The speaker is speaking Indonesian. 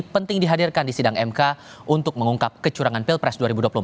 penting dihadirkan di sidang mk untuk mengungkap kecurangan pilpres dua ribu dua puluh empat